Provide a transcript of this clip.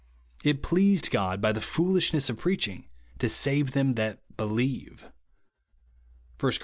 "It pleased God, by the foolishness of preaching, to save them ihsit believe;' (1 Cor.